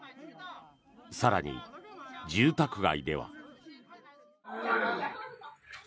更に、住宅街では。